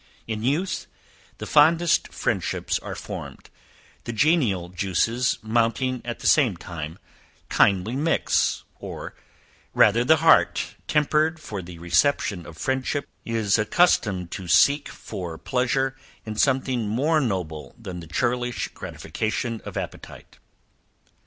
In youth, the fondest friendships are formed, the genial juices mounting at the same time, kindly mix; or, rather the heart, tempered for the reception of friendship, is accustomed to seek for pleasure in something more noble than the churlish gratification of appetite.